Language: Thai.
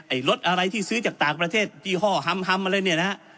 รถอะไรที่ซื้อจากต่างประเทศยี่ห้อฮัมฮำอะไรเนี่ยนะฮะ